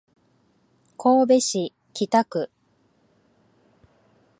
神戸市北区